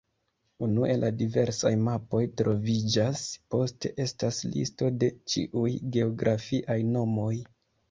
Unue la diversaj mapoj troviĝas, poste estas listo de ĉiuj geografiaj nomoj.